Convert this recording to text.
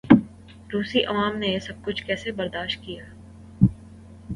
روسی عوام نے یہ سب کچھ کیسے برداشت کیا؟